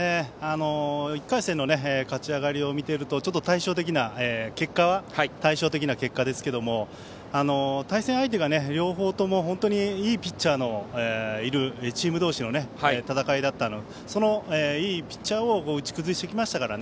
１回戦の勝ち上がりを見ているとちょっと結果は対照的ですが対戦相手が両方ともいいピッチャーのいるチーム同士の戦いだったのでその、いいピッチャーを打ち崩してきましたから。